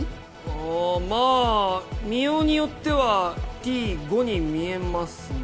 ああまあ見ようによってはＴ・５に見えますね。